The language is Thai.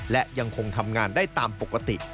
และยังคงทำงานได้ตามปกติ